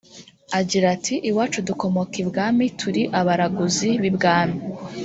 Agira ati “Iwacu dukomoka ibwami turi abaraguzi b’ibwami